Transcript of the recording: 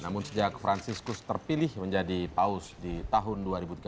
namun sejak franciscus terpilih menjadi paus di tahun dua ribu tiga belas